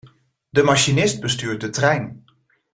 De machinist bestuurt de trein.